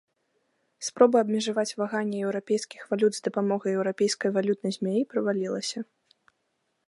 Спроба абмежаваць ваганне еўрапейскіх валют з дапамогай еўрапейскай валютнай змяі правалілася.